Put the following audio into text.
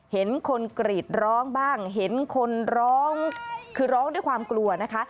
เห็นคนกรีดร้องบ้างเห็นคนร้องคือร้องด้วยความกลัวนะคะ